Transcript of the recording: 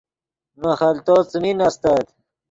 نے خلتو څیمین استت